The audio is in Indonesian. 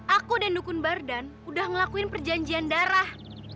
aku dan dukun bardan udah ngelakuin perjanjian darah